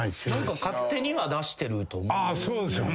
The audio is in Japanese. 勝手には出してると思いますね。